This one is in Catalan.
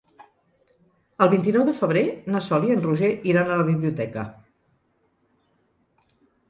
El vint-i-nou de febrer na Sol i en Roger iran a la biblioteca.